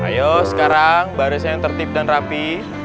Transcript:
ayo sekarang barisnya yang tertib dan rapi